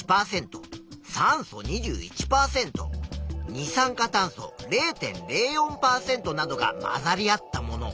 酸素２１％二酸化炭素０．０４％などが混ざり合ったもの。